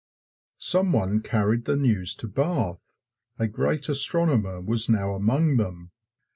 Some one carried the news to Bath a great astronomer was now among them!